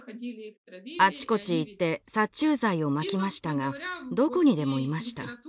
あちこち行って殺虫剤をまきましたがどこにでもいました。